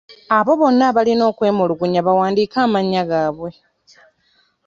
Abo bonna abalina okwemulugunya bawandiike amannya gaabwe.